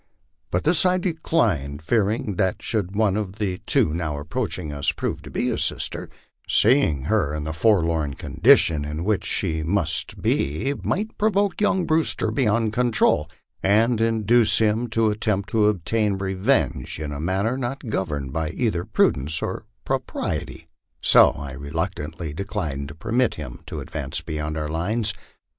But this I declined, fearing that should one of the two now approaching us prove to be his sister, seeing her in the forlorn condition in which she must be might provoke young Brewster beyond control, and induce him to attempt to obtain revenge in a manner not governed by either prudence or propriety. So I reluctantly de clined to permit him to advance beyond our lines.